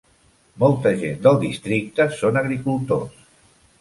Molta gent del districte són agricultors.